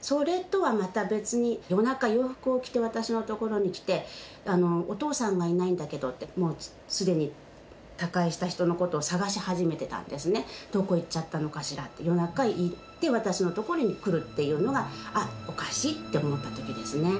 それとはまた別に、夜中、洋服を着て、私の所に来て、お父さんがいないんだけどって、もうすでに他界した人のことを探し始めてたんですね、どこ行っちゃったのかしらって、夜中いって、私の所に来るっていうのが、あっ、おかしいって思ったときですね。